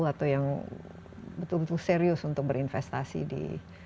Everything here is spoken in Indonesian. atau yang betul betul serius untuk berinvestasi di